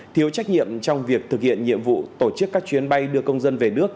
thiếu trách nhiệm trong việc thực hiện nhiệm vụ tổ chức các chuyến bay đưa công dân về nước